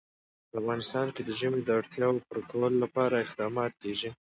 په افغانستان کې د ژمی د اړتیاوو پوره کولو لپاره اقدامات کېږي.